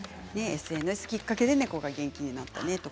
ＳＮＳきっかけで猫が元気になったと。